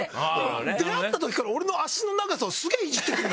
出会った時から俺の脚の長さをすげぇイジって来んのよ。